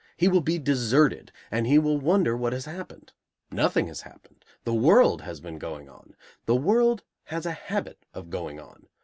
He will be deserted, and he will wonder what has happened. Nothing has happened. The world has been going on. The world has a habit of going on.